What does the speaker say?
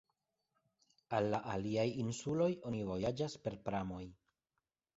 Al la aliaj insuloj oni vojaĝas per pramoj.